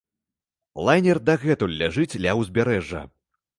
Лайнер дагэтуль ляжыць ля ўзбярэжжа.